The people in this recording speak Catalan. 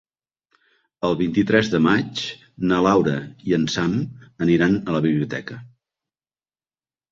El vint-i-tres de maig na Laura i en Sam aniran a la biblioteca.